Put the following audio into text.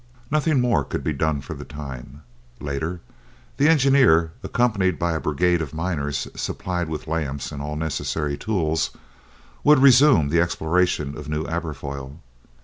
Nothing more could be done for the time. Later, the engineer, accompanied by a brigade of miners, supplied with lamps and all necessary tools, would resume the exploration of New Aberfoyle.